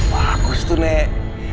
bagus tuh nek